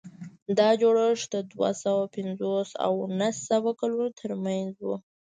دا جوړښت د دوه سوه پنځوس او نهه سوه کلونو ترمنځ و.